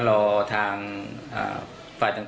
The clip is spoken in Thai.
แต่ก็คิดว่าเป็นใครหรอก